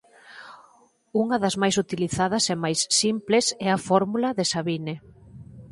Unha das máis utilizadas e máis simples é a fórmula de Sabine.